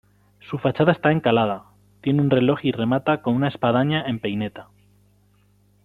Su fachada está encalada, tiene un reloj y remata con una espadaña en peineta.